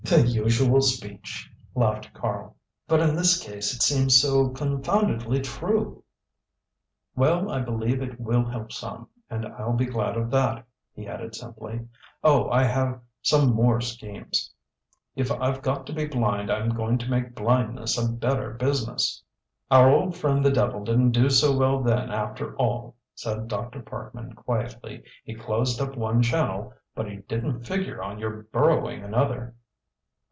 "The usual speech," laughed Karl. "But in this case it seems so confoundedly true." "Well I believe it will help some, and I'll be glad of that," he added simply. "Oh I have some more schemes. If I've got to be blind I'm going to make blindness a better business." "Our old friend the devil didn't do so well then after all," said Dr. Parkman quietly. "He closed up one channel, but he didn't figure on your burrowing another."